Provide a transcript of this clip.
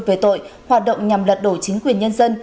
về tội hoạt động nhằm lật đổ chính quyền nhân dân